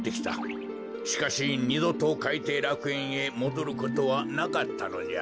しかしにどとかいていらくえんへもどることはなかったのじゃ。